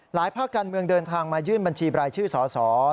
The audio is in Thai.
ภาคการเมืองเดินทางมายื่นบัญชีบรายชื่อสส